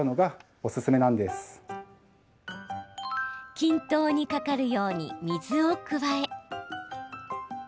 均等にかかるように水を加え。